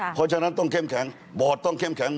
เพราะฉะนั้นต้องเข้มแข็ง